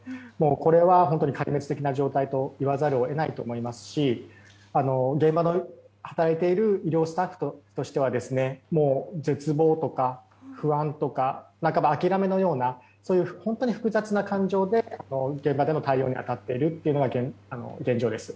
これは本当に壊滅的な状況と言わざるを得ないと思いますし現場で働いている医療スタッフとしては絶望とか、不安とか半ば諦めのようなそういう複雑な感情で現場で対応に当たっているのが現状です。